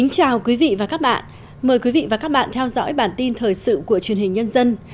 chào mừng quý vị đến với bản tin thời sự của truyền hình nhân dân